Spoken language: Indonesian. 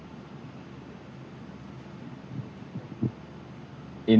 ini maksimal senin sudah bisa dioperasikan